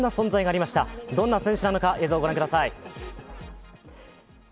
どんな選手なのか映像をご覧ください。